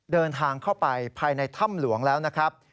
เดินทางเข้าไปภายในถ้ำหลวงแล้วนะครับ